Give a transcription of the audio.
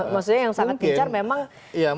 maksudnya yang sangat pincar memang di jawa barat